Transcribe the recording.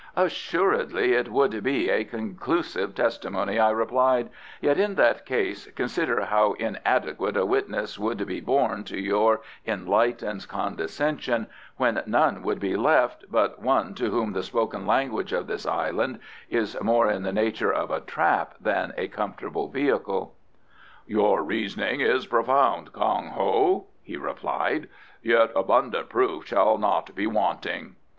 "Assuredly it would be a conclusive testimony," I replied; "yet in that case consider how inadequate a witness could be borne to your enlightened condescension, when none would be left but one to whom the spoken language of this Island is more in the nature of a trap than a comfortable vehicle." "Your reasoning is profound, Kong Ho," he replied, "yet abundant proof shall not be wanting."